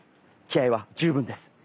気合いは十分です。